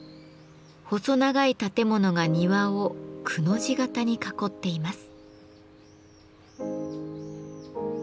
細長い建物が庭を「く」の字型に囲っています。